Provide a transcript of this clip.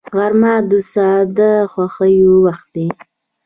غرمه د ساده خوښیو وخت دی